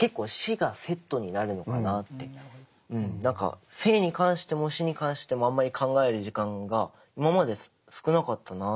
何か生に関しても死に関してもあんまり考える時間が今まで少なかったなって。